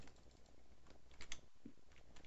هغه خندا چې یو وخت ژوند وه، اوس ښخ ده.